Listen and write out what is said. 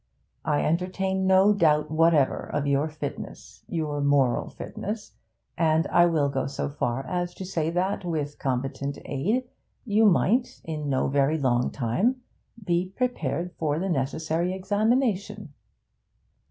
I entertain no doubt whatever of your fitness your moral fitness, and I will go so far as to say that with competent aid you might, in no very long time, be prepared for the necessary examination.'